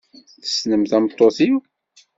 Tessnem tameṭṭut-iw?